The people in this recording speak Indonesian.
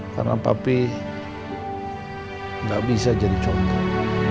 karena papi gak bisa jadi copet